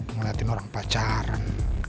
ngeliatin orang pacaran